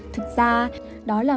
thực ra đó là